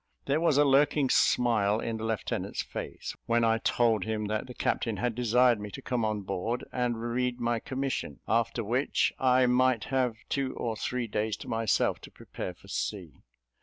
There was a lurking smile in the lieutenant's face, when I told him that the captain had desired me to come on board and read my commission, after which I might have two or three days to myself to prepare for sea.